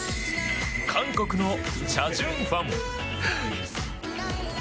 韓国のチャ・ジュンファン。